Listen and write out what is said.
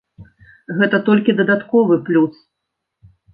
Гэта толькі дадатковы плюс.